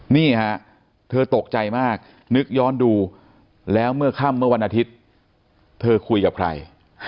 นี่ฮะเธอตกใจมากนึกย้อนดูแล้วเมื่อค่ำเมื่อวันอาทิตย์เธอคุยกับใคร